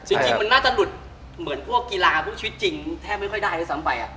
จริงมันน่าจะหลุดเหมือนพวกกีฬาพวกชีวิตจริงแทบไม่ค่อยได้ด้วยซ้ำไป